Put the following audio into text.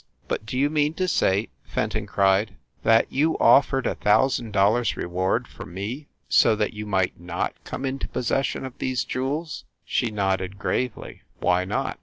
"But do you mean to say," Fenton cried, "that you offered a thousand dollars reward for me, so that you might not come into possession of these jewels?" She nodded gravely. "Why not?"